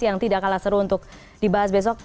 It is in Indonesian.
yang tidak kalah seru untuk dibahas besok